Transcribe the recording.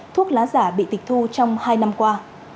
thuốc lá giả bị tịch thu trong hai năm qua